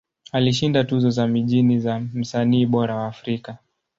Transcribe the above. Alishinda tuzo za mijini za Msanii Bora wa Afrika.